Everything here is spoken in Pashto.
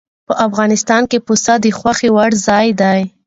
په افغانستان کې پسه د خوښې وړ ځای دی.